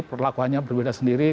perlakuannya berbeda sendiri